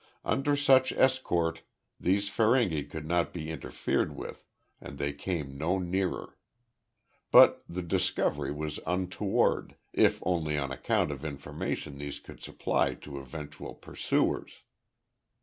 Under such escort these Feringhi could not be interfered with, and they came no nearer. But the discovery was untoward, if only on account of information these could supply to eventual pursuers.